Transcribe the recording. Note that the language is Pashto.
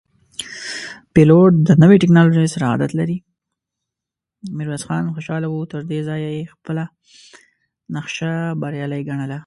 ميرويس خان خوشاله و، تر دې ځايه يې خپله نخشه بريالی ګڼله،